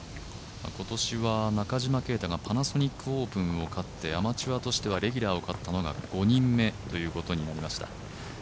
今年は中島啓太がパナソニックオープンを勝ってアマチュアとしてはレギュラーを勝ったのが５人目となりました。